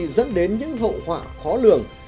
nhưng khi đến những hậu họa khó lường